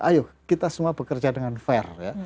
ayo kita semua bekerja dengan fair ya